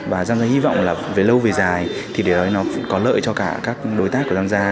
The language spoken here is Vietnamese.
và giamgia hy vọng là về lâu về dài thì để nó có lợi cho cả các đối tác của giamgia